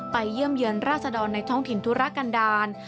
เยี่ยมเยือนราษดรในท้องถิ่นธุรกันดาล